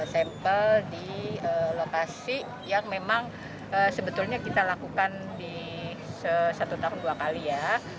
sampel di lokasi yang memang sebetulnya kita lakukan di satu tahun dua kali ya